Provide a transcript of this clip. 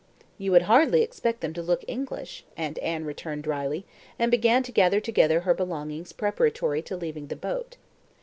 "You would hardly expect them to look English," Aunt Anne returned drily, and began to gather together her belongings preparatory to leaving the boat.